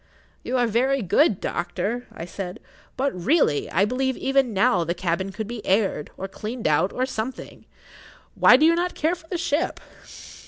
"You are very good, doctor," I said. "But really, I believe even now the cabin could be aired, or cleaned out, or something. Why do you not care for the ship?"